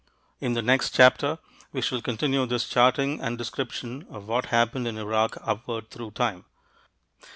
In the next chapter, we shall continue this charting and description of what happened in Iraq upward through time.